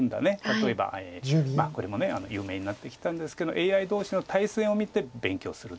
例えばこれも有名になってきたんですけどＡＩ同士の対戦を見て勉強すると。